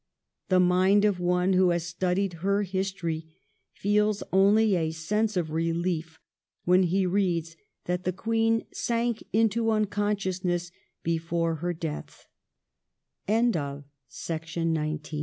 The mind of one who has studied her history feels only a sense of rehef when he reads that the Queen sank into unconsciousness before her d